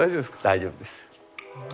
大丈夫です。